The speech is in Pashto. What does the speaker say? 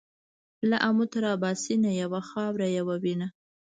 له امو تر اباسينه يوه خاوره يوه وينه.